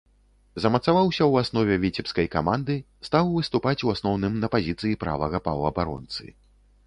Замацаваўся ў аснове віцебскай каманды, стаў выступаць у асноўным на пазіцыі правага паўабаронцы.